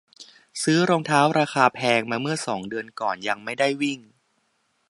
ซื้อรองเท้าราคาแพงมาเมื่อสองเดือนก่อน ยังไม่ได้วิ่ง